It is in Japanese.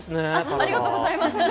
ありがとうございます。